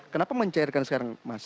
kenapa mencairkan sekarang mas